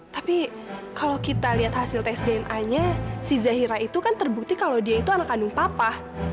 tapi kalau kita lihat hasil tes dna nya si zahira itu kan terbukti kalau dia itu anak kandung papa